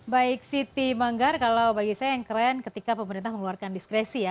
baik siti manggar kalau bagi saya yang keren ketika pemerintah mengeluarkan diskresi ya